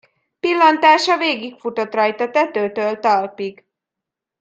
Pillantása végigfutott rajta tetőtől talpig.